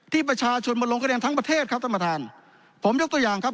ที่ประชาชนมาลงคะแนนทั้งประเทศครับท่านประธานผมยกตัวอย่างครับ